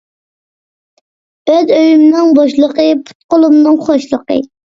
ئۆز ئۆيۈمنىڭ بوشلۇقى، پۇت – قولۇمنىڭ خوشلۇقى.